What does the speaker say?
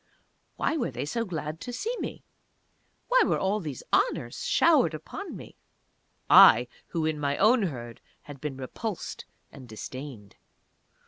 Why were they so glad to see me? Why were all these honours showered upon me? I, who in my own Herd had been repulsed and disdained....